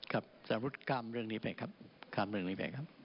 ครับสารวุฒิข้ามเรื่องนี้ไปครับข้ามเรื่องนี้ไปครับ